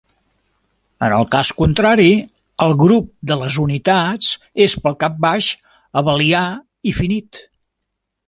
En el cas contrari, el grup de les unitats és pel capbaix abelià i finit.